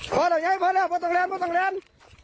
พอแล้วพอแล้วเบอร์ต้องแลนด์เบอร์ต้องแลนด์